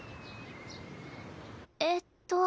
えっと